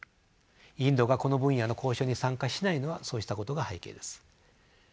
インドがこの分野の交渉に参加しないのはそうしたことが背景です。